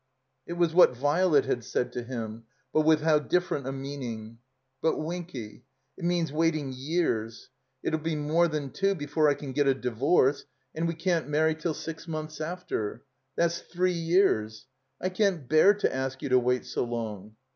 It was what Violet had said to him, but with how different a meaning ! But Winky — it means waiting years. It H be more than two before I can get a divorce — and we 346 THR COMBINED MAZE can't marry till six months after. That's three years. I can't bear to ask you to wait so long."